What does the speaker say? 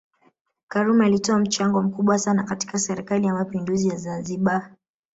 karume alitoa mchango mkubwa sana katika serikali ya mapinduzi ya Zanzibar